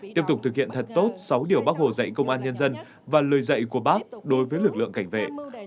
tiếp tục thực hiện thật tốt sáu điều bác hồ dạy công an nhân dân và lời dạy của bác đối với lực lượng cảnh vệ